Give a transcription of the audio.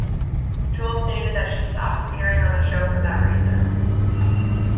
Jewell stated that she stopped appearing on the show for that reason.